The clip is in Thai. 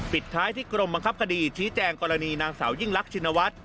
ปิดท้ายที่กรมบังคับคดีชี้แจงกรณีนางสาวยิ่งรักชินวัฒน์